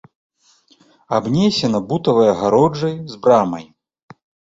Абнесена бутавай агароджай з брамай.